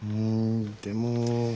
でも。